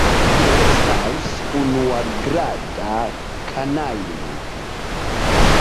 Vi estas unuagrada kanajlo.